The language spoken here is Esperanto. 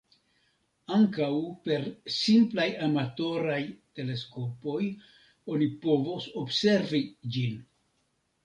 Ankaŭ per simplaj amatoraj teleskopoj oni povos observi ĝin.